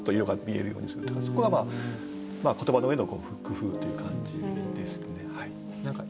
そこは言葉の上の工夫という感じですね。